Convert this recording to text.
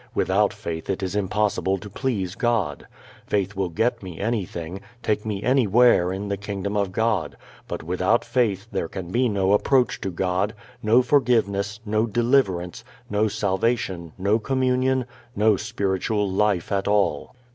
Without faith it is impossible to please God. Faith will get me anything, take me anywhere in the Kingdom of God, but without faith there can be no approach to God, no forgiveness, no deliverance, no salvation, no communion, no spiritual life at all.